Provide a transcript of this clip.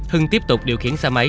hưng tiếp tục điều khiển xe máy